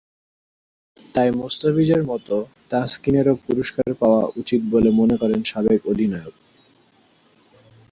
তাই মোস্তাফিজের মতো তাসকিনেরও পুরস্কার পাওয়া উচিত বলে মনে করেন সাবেক অধিনায়ক...